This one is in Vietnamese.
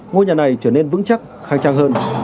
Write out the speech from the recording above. ngôi nhà này trở nên vững chắc khang trang hơn